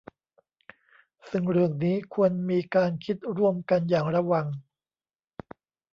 ซึ่งเรื่องนี้ควรมีการคิดร่วมกันอย่างระวัง